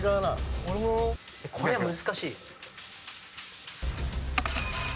・これ難しい。